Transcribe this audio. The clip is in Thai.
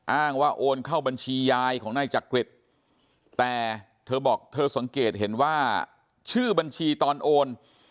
อ้างว่าโอนเข้าบัญชียายของนายจักริตแต่เธอบอกเธอสังเกตเห็นว่าชื่อบัญชีตอนโอน